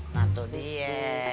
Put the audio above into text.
nah tuh dia